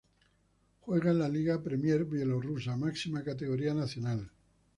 Juega en la Liga Premier bielorrusa, máxima categoría nacional.